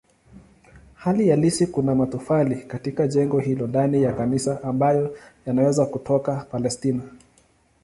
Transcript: Hali halisi kuna matofali katika jengo hilo ndani ya kanisa ambayo yanaweza kutoka Palestina.